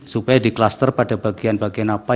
supaya di klaster pada bagian bagian apa